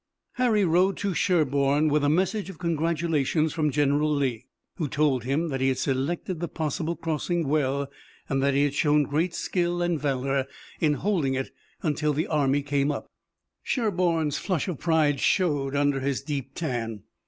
Harry rode to Sherburne with a message of congratulation from General Lee, who told him that he had selected the possible crossing well, and that he had shown great skill and valor in holding it until the army came up. Sherburne's flush of pride showed under his deep tan.